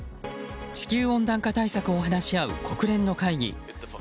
地球温暖化対策を話し合う国連の会議